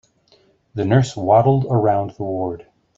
The nurse waddled around the ward.